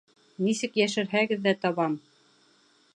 Нисек йәшерһәгеҙ ҙә табам!